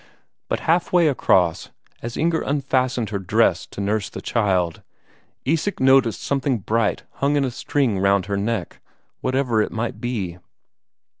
But half way across, as Inger unfastened her dress to nurse the child, Isak noticed something bright hung in a string round her neck; whatever it might be.